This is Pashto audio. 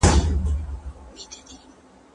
هغه د خپلو ټپيانو درملنه وکړه.